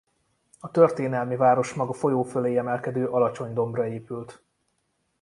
A történelmi városmag a folyó fölé emelkedő alacsony dombra épült.